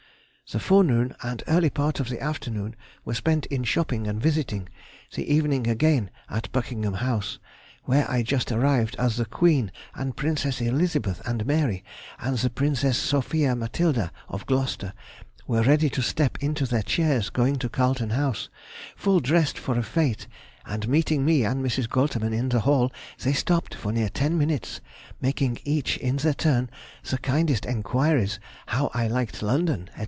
_—The forenoon and early part of the afternoon were spent in shopping and visiting, the evening again at Buckingham House, where I just arrived as the Queen and Princesses Elizabeth and Mary, and the Princess Sophia Mathilda of Gloucester, were ready to step into their chairs going to Carlton House, full dressed for a fête, and meeting me and Mrs. Goltermann in the hall, they stopped for near ten minutes, making each in their turn the kindest enquiries how I liked London, &c.